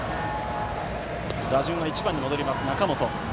打順は１番に戻ります。